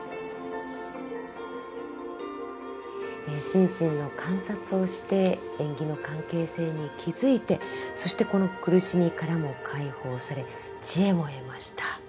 心身の観察をして縁起の関係性に気付いてそしてこの苦しみからも解放され智慧も得ました。